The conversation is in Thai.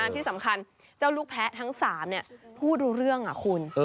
ที่สำคัญเจ้าลูกแพ้ทั้ง๓พูดรู้เรื่องคุณ